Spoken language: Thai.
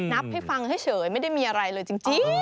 ให้ฟังให้เฉยไม่ได้มีอะไรเลยจริง